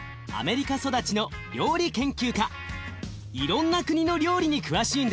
いろんな国の料理に詳しいんです。